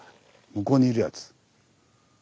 向こうにいるやつ。